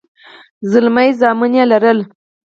زلمي زامن يې لرل.